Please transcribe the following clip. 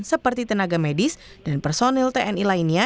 seperti tenaga medis dan personil tni lainnya